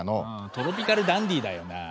「トロピカルダンディ」だよなあ。